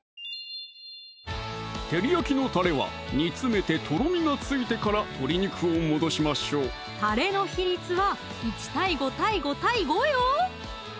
照り焼きのたれは煮詰めてとろみがついてから鶏肉を戻しましょうたれの比率は１：５：５：５よ